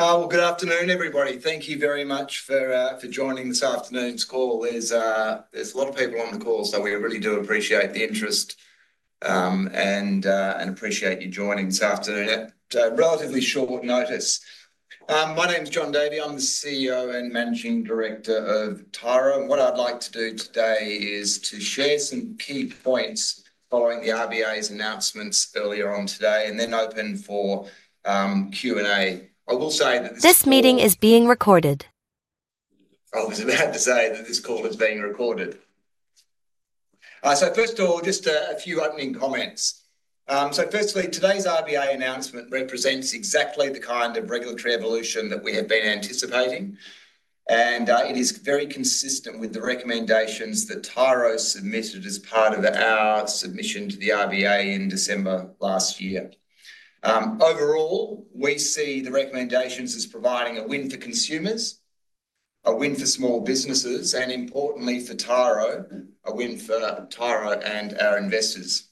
Good afternoon, everybody. Thank you very much for joining this afternoon's call. There are a lot of people on the call, so we really do appreciate the interest and appreciate you joining this afternoon at relatively short notice. My name is Jon Davey. I'm the CEO and Managing Director of Tyro. What I'd like to do today is to share some key points following the RBA's announcements earlier on today and then open for Q&A. I will say that this meeting is being recorded. I was about to say that this call is being recorded. First of all, just a few opening comments. Firstly, today's RBA announcement represents exactly the kind of regulatory evolution that we have been anticipating, and it is very consistent with the recommendations that Tyro submitted as part of our submission to the RBA in December last year. Overall, we see the recommendations as providing a win for consumers, a win for small businesses, and importantly for Tyro, a win for Tyro and our investors.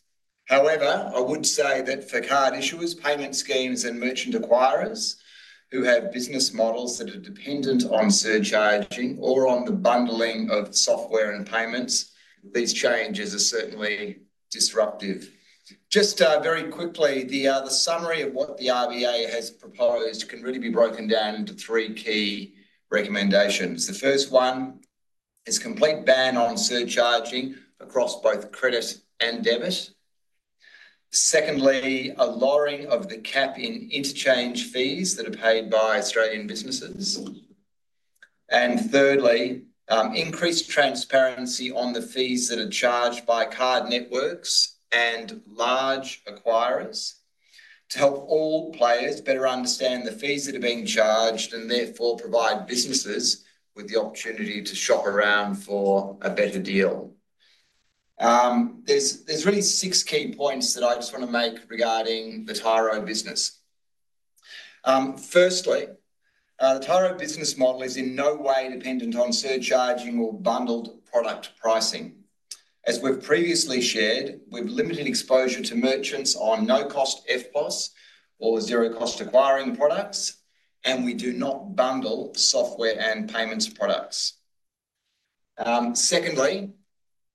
However, I would say that for card issuers, payment schemes, and merchant acquirers who have business models that are dependent on surcharging or on the bundling of software and payments, these changes are certainly disruptive. Very quickly, the summary of what the RBA has proposed can really be broken down into three key recommendations. The first one is a complete ban on surcharging across both credit and debit. Secondly, a lowering of the cap in interchange fees that are paid by Australian businesses. Thirdly, increased transparency on the fees that are charged by card networks and large acquirers to help all players better understand the fees that are being charged and therefore provide businesses with the opportunity to shop around for a better deal. There are really six key points that I just want to make regarding the Tyro business. Firstly, the Tyro business model is in no way dependent on surcharging or bundled product pricing. As we've previously shared, we've limited exposure to merchants on no-cost FPOS or zero-cost acquiring products, and we do not bundle software and payments products. Secondly,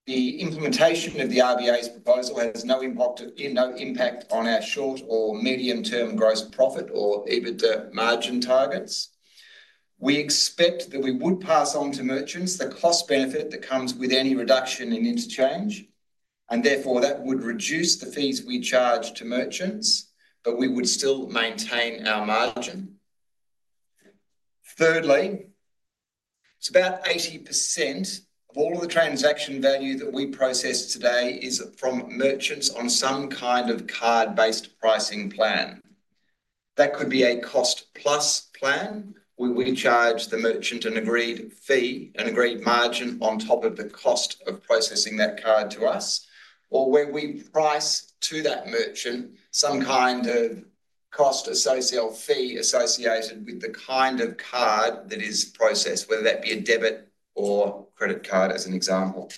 the implementation of the RBA's proposal has no impact on our short or medium-term gross profit or EBITDA margin targets. We expect that we would pass on to merchants the cost benefit that comes with any reduction in interchange, and therefore that would reduce the fees we charge to merchants, but we would still maintain our margin. Thirdly, it's about 80% of all of the transaction value that we process today is from merchants on some kind of card-based pricing plan. That could be a cost-plus plan where we charge the merchant an agreed fee, an agreed margin on top of the cost of processing that card to us, or where we price to that merchant some kind of cost-associated fee associated with the kind of card that is processed, whether that be a debit or credit card as an example.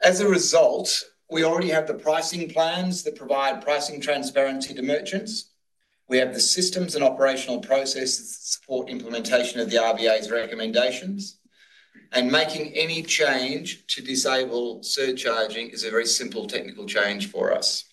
As a result, we already have the pricing plans that provide pricing transparency to merchants. We have the systems and operational processes that support implementation of the RBA's recommendations, and making any change to disable surcharging is a very simple technical change for us.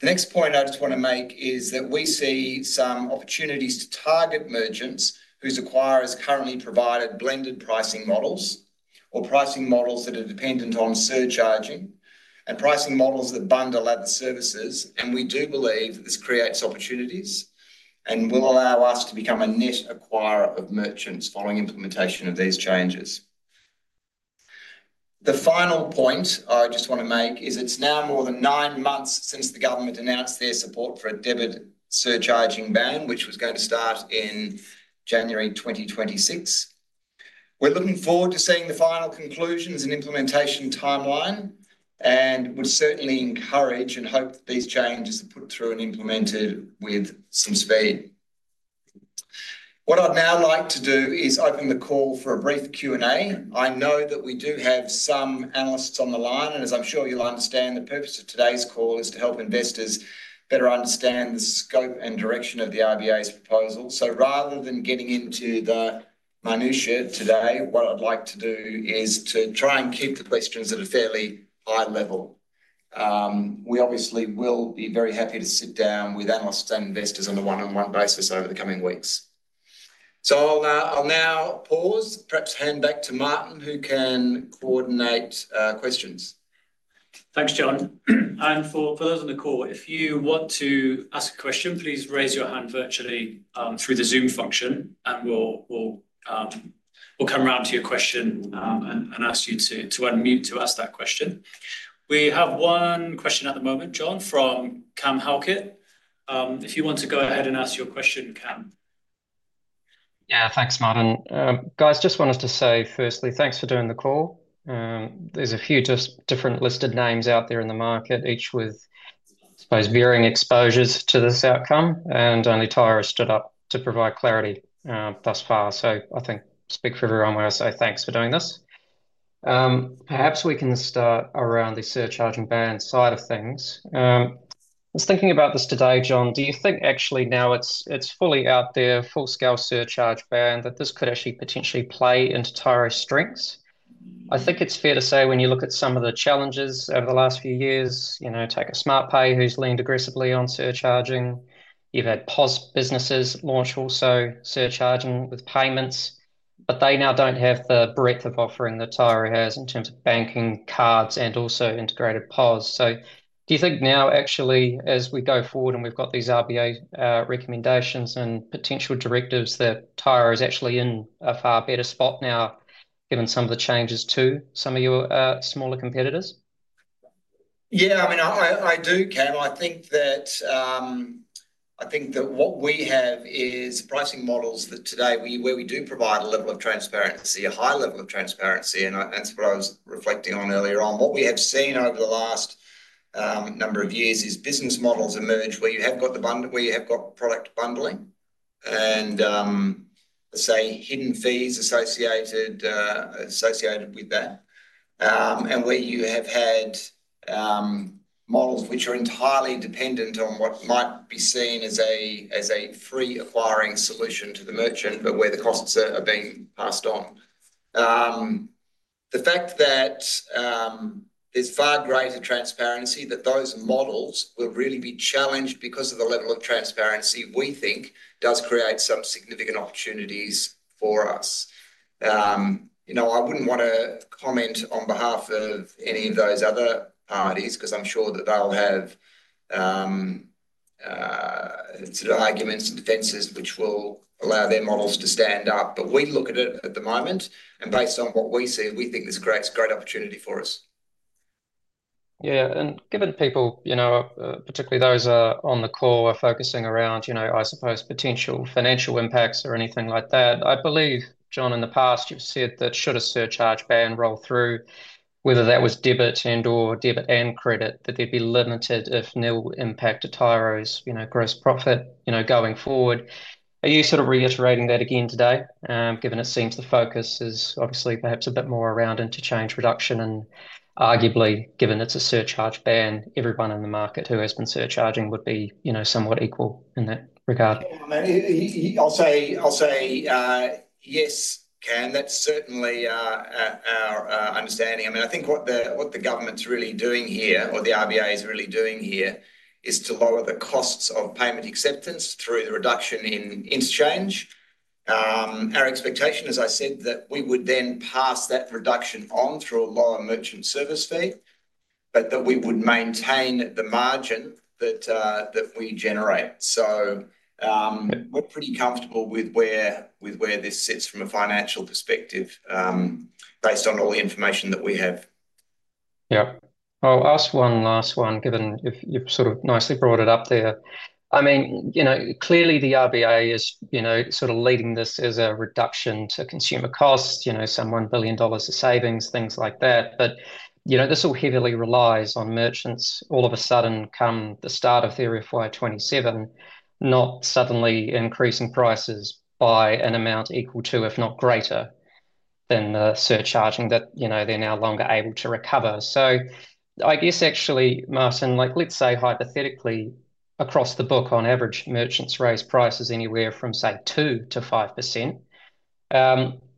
The next point I just want to make is that we see some opportunities to target merchants whose acquirers currently provide blended pricing models or pricing models that are dependent on surcharging and pricing models that bundle other services. We do believe that this creates opportunities and will allow us to become a net acquirer of merchants following implementation of these changes. The final point I just want to make is it's now more than nine months since the government announced their support for a debit surcharging ban, which was going to start in January 2026. We're looking forward to seeing the final conclusions and implementation timeline and would certainly encourage and hope that these changes are put through and implemented with some speed. What I'd now like to do is open the call for a brief Q&A. I know that we do have some analysts on the line, and as I'm sure you'll understand, the purpose of today's call is to help investors better understand the scope and direction of the RBA's proposal. Rather than getting into the minutiae today, what I'd like to do is to try and keep the questions at a fairly high level. We obviously will be very happy to sit down with analysts and investors on a one-on-one basis over the coming weeks. I'll now pause, perhaps hand back to Martyn, who can coordinate questions. Thanks, Jon. For those on the call, if you want to ask a question, please raise your hand virtually through the Zoom function, and we'll come around to your question and ask you to unmute to ask that question. We have one question at the moment, Jon, from Cam Halkett. If you want to go ahead and ask your question, Cam. Yeah, thanks, Martyn. Guys, just wanted to say firstly, thanks for doing the call. There's a few different listed names out there in the market, each with, I suppose, varying exposures to this outcome, and only Tyro stood up to provide clarity thus far. I think I speak for everyone when I say thanks for doing this. Perhaps we can start around the surcharging ban side of things. I was thinking about this today, Jon. Do you think actually now it's fully out there, full-scale surcharge ban, that this could actually potentially play into Tyro's strengths? I think it's fair to say when you look at some of the challenges over the last few years, you know, take a Smartpay who's leaned aggressively on surcharging. You've had POS businesses launch also surcharging with payments, but they now don't have the breadth of offering that Tyro has in terms of banking cards and also integrated POS. Do you think now actually as we go forward and we've got these RBA recommendations and potential directives that Tyro is actually in a far better spot now given some of the changes to some of your smaller competitors? Yeah, I mean, I do, Cam. I think that what we have is pricing models that today where we do provide a level of transparency, a high level of transparency, and that's what I was reflecting on earlier on. What we have seen over the last number of years is business models emerge where you have got the bundle, where you have got product bundling and, let's say, hidden fees associated with that, and where you have had models which are entirely dependent on what might be seen as a free acquiring solution to the merchant, but where the costs are being passed on. The fact that there's far greater transparency, that those models will really be challenged because of the level of transparency we think does create some significant opportunities for us. I wouldn't want to comment on behalf of any of those other parties because I'm sure that they'll have sort of arguments and defenses which will allow their models to stand up. We look at it at the moment, and based on what we see, we think this creates a great opportunity for us. Yeah, and given people, particularly those on the call, are focusing around, I suppose, potential financial impacts or anything like that, I believe, Jon, in the past you've said that should a surcharge ban roll through, whether that was debit and/or debit and credit, that there'd be limited if nil impact to Tyro's gross profit going forward. Are you sort of reiterating that again today, given it seems the focus is obviously perhaps a bit more around interchange reduction and arguably, given it's a surcharge ban, everyone in the market who has been surcharging would be somewhat equal in that regard. I'll say yes, Cam. That's certainly our understanding. I mean, I think what the government's really doing here, or the RBA is really doing here, is to lower the costs of payment acceptance through the reduction in interchange. Our expectation, as I said, is that we would then pass that reduction on through a lower merchant service fee, but that we would maintain the margin that we generate. We're pretty comfortable with where this sits from a financial perspective based on all the information that we have. Yeah. I'll ask one last one, given you've sort of nicely brought it up there. I mean, you know, clearly the RBA is, you know, sort of leading this as a reduction to consumer costs, you know, some 1 billion dollars of savings, things like that. This all heavily relies on merchants all of a sudden come the start of FY 2027 not suddenly increasing prices by an amount equal to, if not greater than, the surcharging that, you know, they're no longer able to recover. I guess actually, Martyn, like let's say hypothetically across the book, on average, merchants raise prices anywhere from, say, 2%-5%.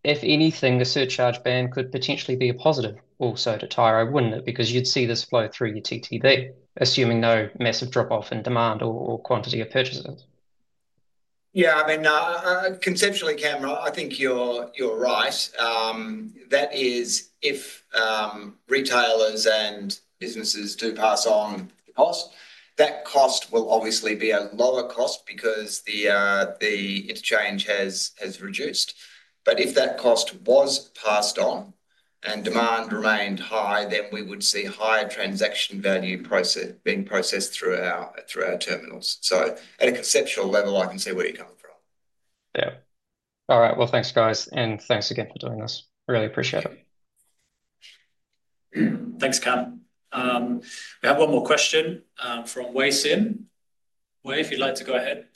If anything, the surcharge ban could potentially be a positive also to Tyro, wouldn't it? You'd see this flow through your TTB, assuming no massive drop-off in demand or quantity of purchases. Yeah, I mean, conceptually, Cam, I think you're right. That is, if retailers and businesses do pass on the cost, that cost will obviously be a lower cost because the interchange has reduced. If that cost was passed on and demand remained high, we would see higher transaction value being processed through our terminals. At a conceptual level, I can see where you're coming from. All right. Thanks, guys, and thanks again for doing this. Really appreciate it. Thanks, Cam. We have one more question from Wei Sin. Wei, if you'd like to go ahead.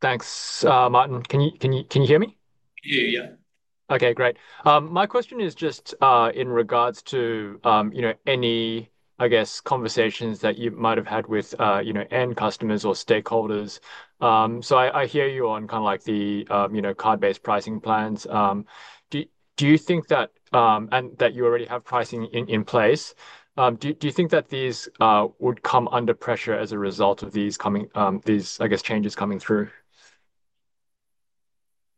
Thanks, Martyn. Can you hear me? Yeah, yeah. Okay, great. My question is just in regards to any conversations that you might have had with end customers or stakeholders. I hear you on kind of like the card-based pricing plans. Do you think that, and that you already have pricing in place, do you think that these would come under pressure as a result of these changes coming through?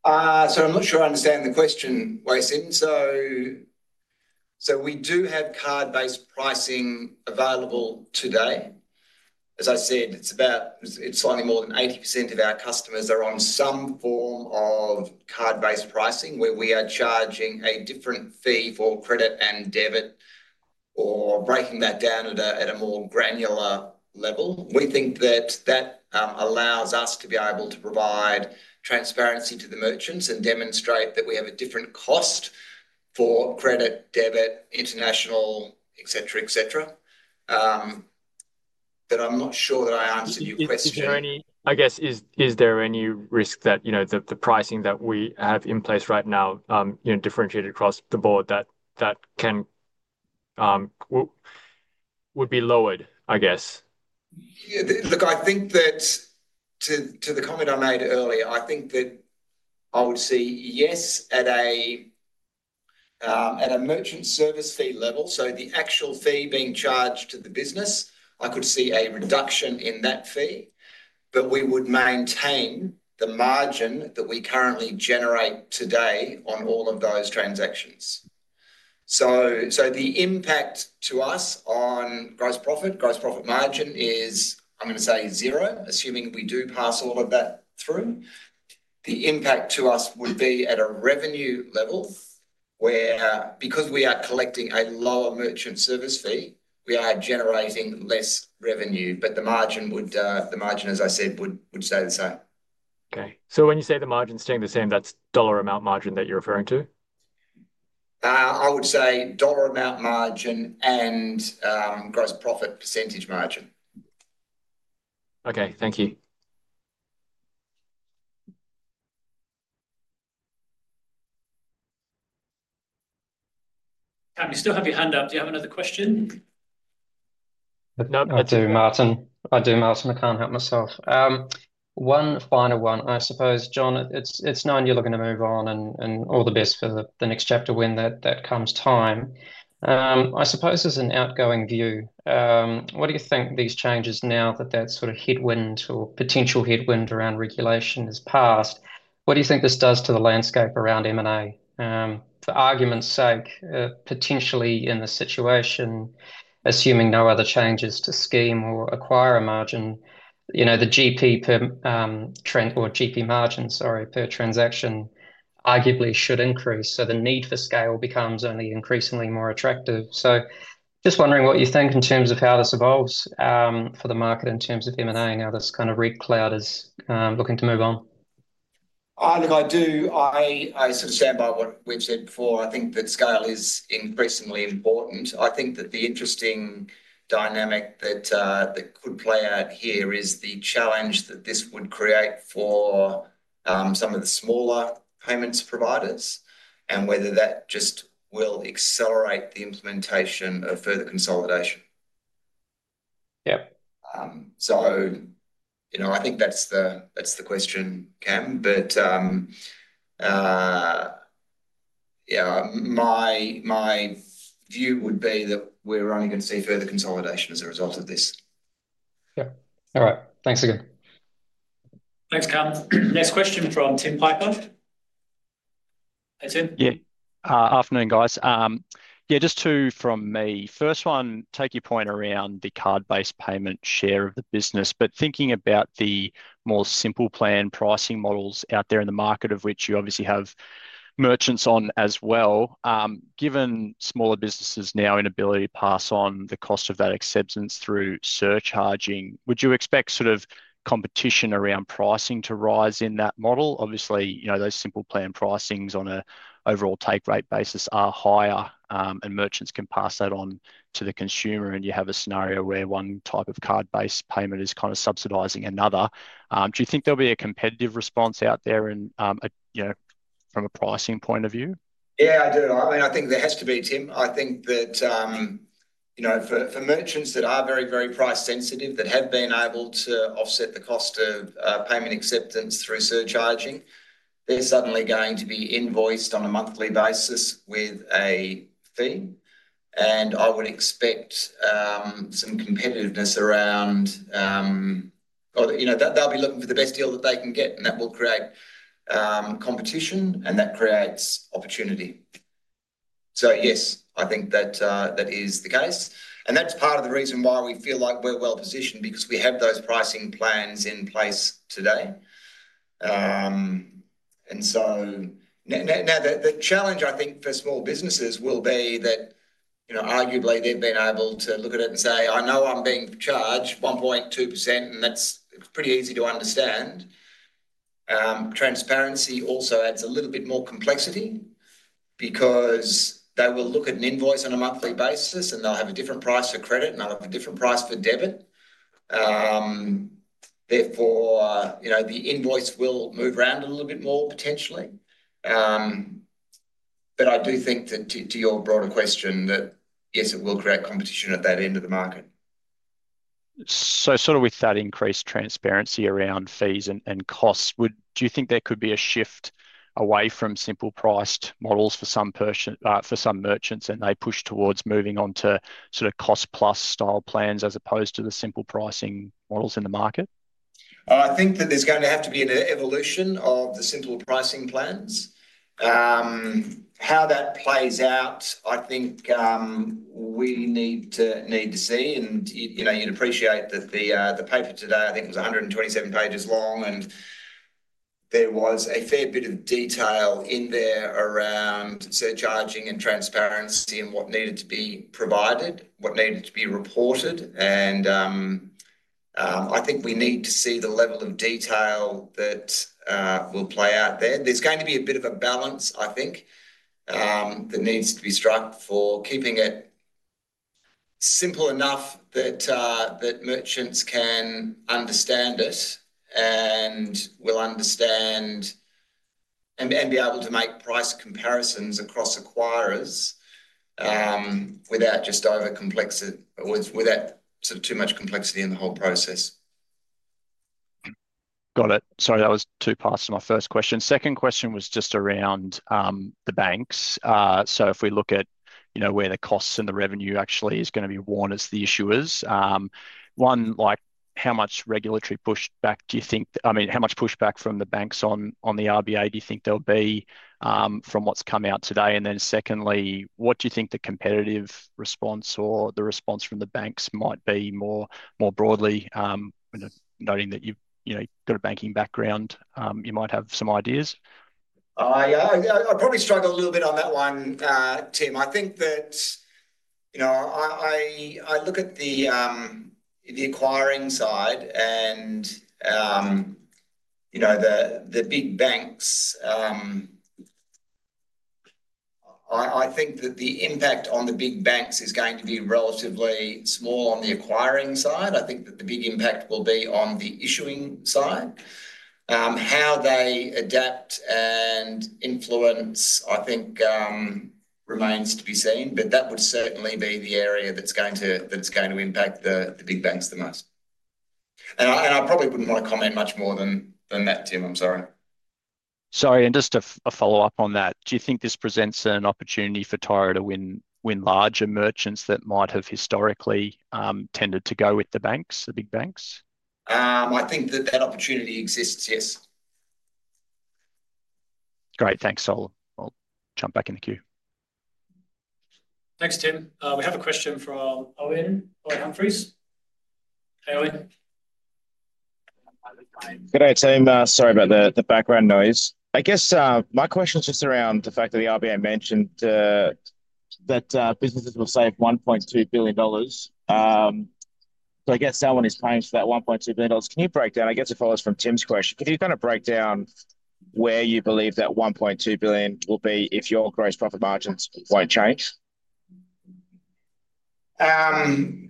I'm not sure I understand the question, Wei Sin. We do have card-based pricing available today. As I said, it's about, it's slightly more than 80% of our customers are on some form of card-based pricing where we are charging a different fee for credit and debit or breaking that down at a more granular level. We think that allows us to be able to provide transparency to the merchants and demonstrate that we have a different cost for credit, debit, international, etc., etc. I'm not sure that I answered your question. Is there any risk that the pricing that we have in place right now, differentiated across the board, that that would be lowered? Yeah, look, I think that to the comment I made earlier, I think that I would see yes at a merchant service fee level. The actual fee being charged to the business, I could see a reduction in that fee, but we would maintain the margin that we currently generate today on all of those transactions. The impact to us on gross profit, gross profit margin is, I'm going to say zero, assuming we do pass all of that through. The impact to us would be at a revenue level where, because we are collecting a lower merchant service fee, we are generating less revenue, but the margin, as I said, would stay the same. Okay, when you say the margin staying the same, that's dollar amount margin that you're referring to? I would say dollar amount margin and gross profit percentage margin. Okay, thank you. Cam, you still have your hand up. Do you have another question? I do, Martyn. I can't help myself. One final one, I suppose, Jon, it's knowing you're looking to move on and all the best for the next chapter when that comes time. I suppose as an outgoing view, what do you think these changes, now that that sort of headwind or potential headwind around regulation has passed, what do you think this does to the landscape around M&A? For argument's sake, potentially in this situation, assuming no other changes to scheme or acquirer margin, you know, the GP per trend or GP margin, sorry, per transaction arguably should increase. The need for scale becomes only increasingly more attractive. Just wondering what you think in terms of how this evolves for the market in terms of M&A and how this kind of red cloud is looking to move on. I do, I sort of stand by what we've said before. I think that scale is increasingly important. I think that the interesting dynamic that could play out here is the challenge that this would create for some of the smaller payments providers and whether that just will accelerate the implementation of further consolidation. Yeah. I think that's the question, Cam, but yeah, my view would be that we're only going to see further consolidation as a result of this. All right. Thanks again. Thanks, Cam. Next question from Tim Piper. Hey, Tim. Afternoon, guys. Just two from me. First one, take your point around the card-based payment share of the business, but thinking about the more simple plan pricing models out there in the market, of which you obviously have merchants on as well, given smaller businesses now inability to pass on the cost of that acceptance through surcharging, would you expect sort of competition around pricing to rise in that model? Obviously, those simple plan pricings on an overall take rate basis are higher and merchants can pass that on to the consumer and you have a scenario where one type of card-based payment is kind of subsidizing another. Do you think there'll be a competitive response out there, from a pricing point of view? Yeah, I do. I mean, I think there has to be, Tim. I think that for merchants that are very, very price sensitive, that have been able to offset the cost of payment acceptance through surcharging, they're suddenly going to be invoiced on a monthly basis with a fee. I would expect some competitiveness around, you know, that they'll be looking for the best deal that they can get and that will create competition and that creates opportunity. Yes, I think that that is the case. That's part of the reason why we feel like we're well positioned because we have those pricing plans in place today. Now the challenge, I think, for small businesses will be that, you know, arguably they've been able to look at it and say, I know I'm being charged 1.2% and that's pretty easy to understand. Transparency also adds a little bit more complexity because they will look at an invoice on a monthly basis and they'll have a different price for credit and they'll have a different price for debit. Therefore, the invoice will move around a little bit more potentially. I do think that to your broader question, that yes, it will create competition at that end of the market. With that increased transparency around fees and costs, do you think there could be a shift away from simple priced models for some merchants as they push towards moving on to cost-plus style plans as opposed to the simple pricing models in the market? I think that there's going to have to be an evolution of the simple pricing plans. How that plays out, I think we need to see. You'd appreciate that the paper today, I think, was 127 pages long, and there was a fair bit of detail in there around surcharging and transparency and what needed to be provided, what needed to be reported. I think we need to see the level of detail that will play out there. There's going to be a bit of a balance that needs to be struck for keeping it simple enough that merchants can understand it and will understand and be able to make price comparisons across acquirers without just over-complexity, without sort of too much complexity in the whole process. Got it. Sorry, that was too fast to my first question. Second question was just around the banks. If we look at, you know, where the costs and the revenue actually are going to be worn as the issuers, one, how much regulatory pushback do you think, I mean, how much pushback from the banks on the RBA do you think there'll be from what's come out today? Secondly, what do you think the competitive response or the response from the banks might be more broadly? Noting that you've got a banking background, you might have some ideas. Yeah, I probably struggle a little bit on that one, Tim. I think that, you know, I look at the acquiring side and, you know, the big banks, I think that the impact on the big banks is going to be relatively small on the acquiring side. I think that the big impact will be on the issuing side. How they adapt and influence, I think, remains to be seen. That would certainly be the area that's going to impact the big banks the most. I probably wouldn't want to comment much more than that, Tim. I'm sorry. Sorry, just a follow-up on that. Do you think this presents an opportunity for Tyro to win larger merchants that might have historically tended to go with the big banks? I think that opportunity exists, yes. Great, thanks. I'll jump back in the queue. Thanks, Tim. We have a question from Owen Humphries. Hey, Owen. Good day, team. Sorry about the background noise. My question is just around the fact that the RBA mentioned that businesses will save 1.2 billion dollars. I guess someone is paying for that 1.2 billion dollars. Can you break down, I guess it follows from Tim's question, can you kind of break down where you believe that 1.2 billion will be if your gross profit margins won't change? The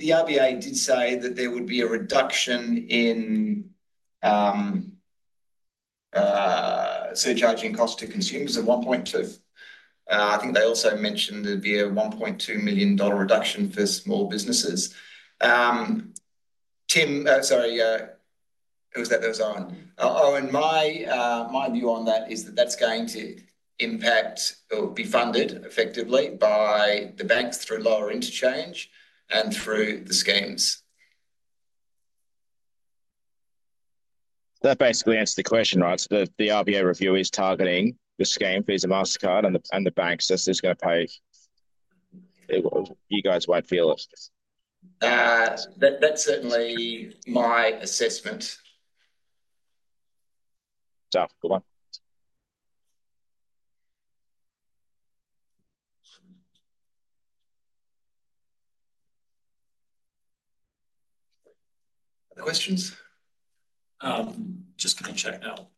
RBA did say that there would be a reduction in surcharging costs to consumers of 1.2 million. I think they also mentioned there'd be a 1.2 million dollar reduction for small businesses. Tim, sorry, who was that? There was Owen. Owen, my view on that is that that's going to impact or be funded effectively by the banks through lower interchange and through the schemes. That basically answers the question, right? The RBA review is targeting the scheme fees of Mastercard and the banks are just going to pay. You guys won't feel it. That's certainly my assessment. Good one. Other questions? Just going to check now.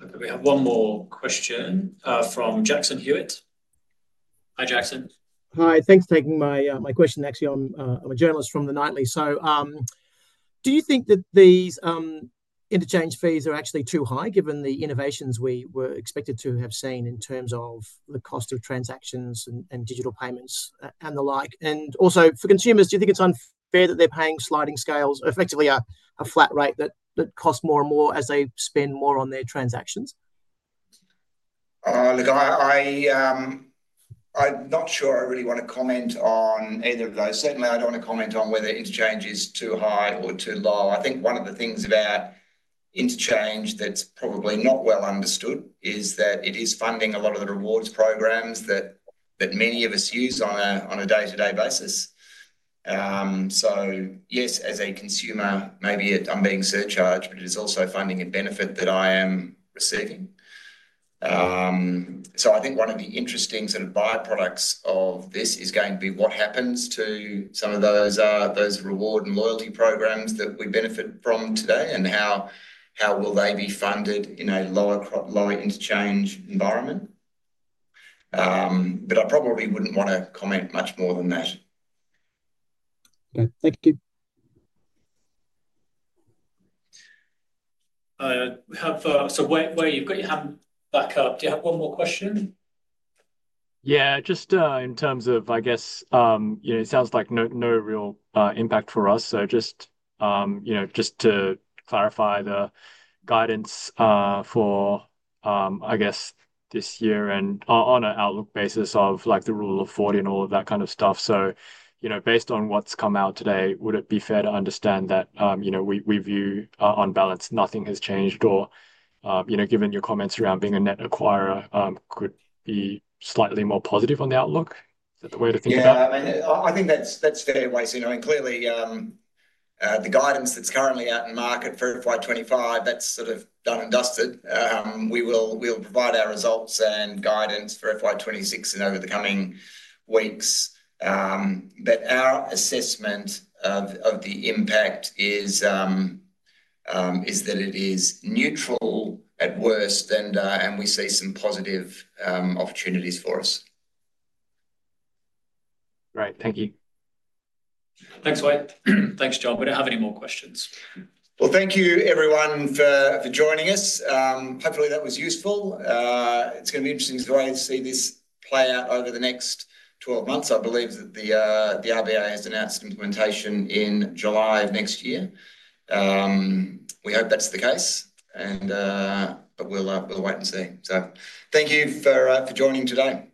Okay, we have one more question from Jackson Hewett. Hi, Jackson. Hi, thanks for taking my question. Actually, I'm a journalist from The Nightly. Do you think that these interchange fees are actually too high given the innovations we were expected to have seen in terms of the cost of transactions and digital payments and the like? Also, for consumers, do you think it's unfair that they're paying sliding scales or effectively a flat rate that costs more and more as they spend more on their transactions? I'm not sure I really want to comment on either of those. Certainly, I don't want to comment on whether interchange is too high or too low. I think one of the things about interchange that's probably not well understood is that it is funding a lot of the rewards programs that many of us use on a day-to-day basis. Yes, as a consumer, maybe I'm being surcharged, but it is also funding a benefit that I am receiving. I think one of the interesting sort of byproducts of this is going to be what happens to some of those reward and loyalty programs that we benefit from today and how will they be funded in a lower interchange environment. I probably wouldn't want to comment much more than that. Thank you. Wei Sin, you've got your hand back up. Do you have one more question? Yeah, just in terms of, I guess, you know, it sounds like no real impact for us. Just to clarify the guidance for, I guess, this year and on an outlook basis of like the Rule of 40 and all of that kind of stuff, based on what's come out today, would it be fair to understand that we view on balance, nothing has changed or, you know, given your comments around being a net acquirer, could be slightly more positive on the outlook? Is that the way to think about it? Yeah, I mean, I think that's fair, Wesley. Clearly, the guidance that's currently out in market for FY 2025, that's sort of done and dusted. We will provide our results and guidance for FY 2026 over the coming weeks. Our assessment of the impact is that it is neutral at worst and we see some positive opportunities for us. Right. Thank you. Thanks, Wei Sin. Thanks, Jon. We don't have any more questions. Thank you, everyone, for joining us. Hopefully, that was useful. It's going to be interesting to see this play out over the next 12 months. I believe that the RBA has announced implementation in July of next year. We hope that's the case, but we'll wait and see. Thank you for joining today.